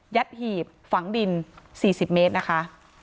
หีบฝังดิน๔๐เมตรนะคะ